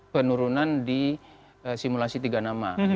penurunan di simulasi tiga nama